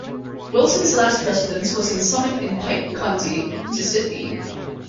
Wilson's last residence was in Summit in Pike County, Mississippi.